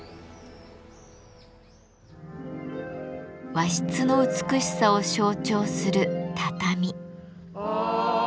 和室の美しさを象徴する「畳」。